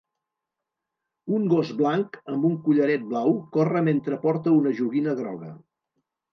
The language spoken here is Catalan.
Un gos blanc amb un collaret blau corre mentre porta una joguina groga.